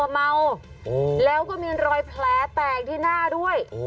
เมาแล้วก็มีรอยแผลแตกที่หน้าด้วย